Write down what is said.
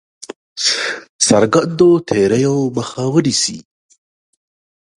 څرګندو تېریو مخه ونیسي.